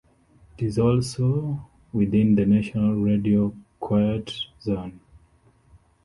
It is also within the National Radio Quiet Zone.